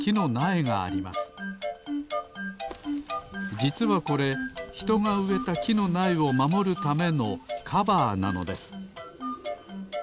じつはこれひとがうえたきのなえをまもるためのカバーなのです